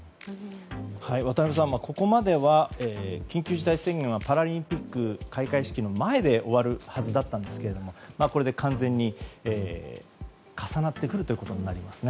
渡辺さん、ここまでは緊急事態宣言はパラリンピック開会式の前で終わるはずだったんですがこれで完全に重なってくるということになりますね。